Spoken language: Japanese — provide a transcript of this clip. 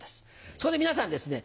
そこで皆さんですね